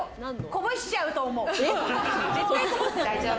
こぼしちゃうと思う。